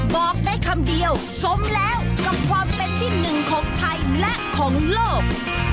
บอกได้คำเดียวสมแล้วกับความเป็นที่หนึ่งของไทยและของโลก